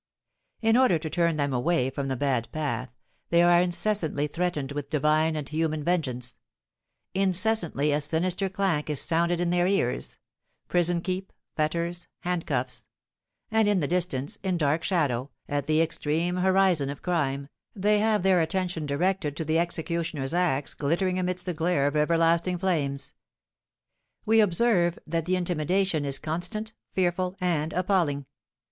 In order to turn them away from the bad path, they are incessantly threatened with divine and human vengeance; incessantly a sinister clank is sounded in their ears: prison keep, fetters, handcuffs; and, in the distance, in dark shadow, at the extreme horizon of crime, they have their attention directed to the executioner's axe glittering amidst the glare of everlasting flames. We observe that the intimidation is constant, fearful, and appalling.